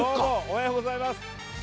おはようございます。